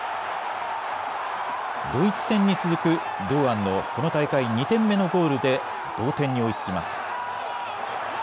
ドイツ戦に続く堂安のこの大会２点目のゴールで同点に追いつきます。